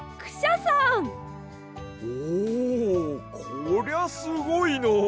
こりゃすごいの。